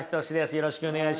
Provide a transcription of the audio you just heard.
よろしくお願いします。